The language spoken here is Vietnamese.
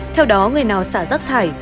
theo đó người nào xả rác thải